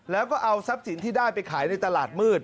แล้วก็เอาทรัพย์สินที่ได้ไปขายในตลาดมืด